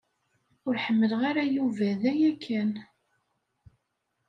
Ur ḥemmleɣ ara Yuba d aya kan.